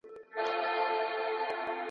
ستا خو به هېر یمه خو زه دي هېرولای نه سم ..